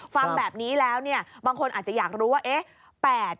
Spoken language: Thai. ฟังแบบนี้แล้วบางคนอาจจะอยากรู้ว่า